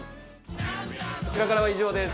こちらからは以上です。